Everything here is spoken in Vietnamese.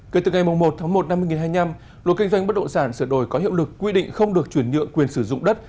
kể từ ngày một tháng một năm hai nghìn hai mươi năm luật kinh doanh bất động sản sửa đổi có hiệu lực quy định không được chuyển nhựa quyền sử dụng đất